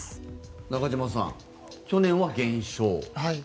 中島さん、去年は減少。